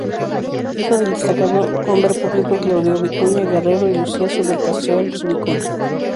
Hijo del destacado hombre público Claudio Vicuña Guerrero y "Lucía Subercaseaux Vicuña".